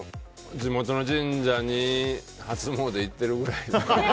地元の神社に初詣行ってるくらい。